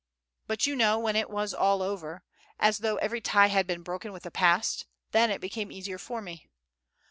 But, you know, when it was all over, as though every tie had been broken with the past, then it became easier for me.